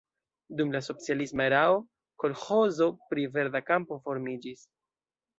Dum la socialisma erao kolĥozo pri Verda Kampo formiĝis.